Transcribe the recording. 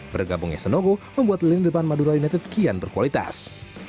bergabungnya sanogo membuat lini depan madura united kian berkualitas